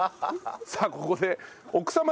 さあここで奥様